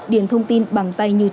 điền thông tin bằng tay như trước